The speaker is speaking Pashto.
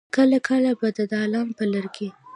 کله کله به د دالان پر لرګي.